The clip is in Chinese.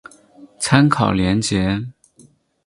参考连结